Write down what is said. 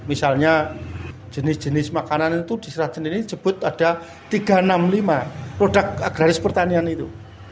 misalnya jenis jenis makanan itu di serajin ini disebut ada tiga ratus enam puluh lima produk agraris pertanian itu